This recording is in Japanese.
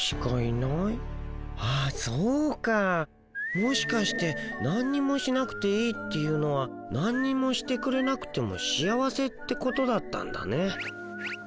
もしかしてなんにもしなくていいっていうのはなんにもしてくれなくても幸せってことだったんだね。